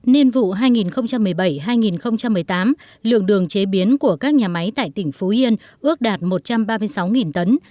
nên vụ hai nghìn một mươi bảy hai nghìn một mươi tám lượng đường chế biến của các nhà máy tại tỉnh phú yên ước đạt một trăm ba mươi sáu tấn